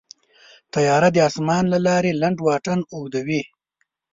طیاره د اسمان له لارې لنډ واټن اوږدوي.